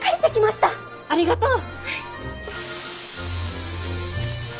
ありがとう！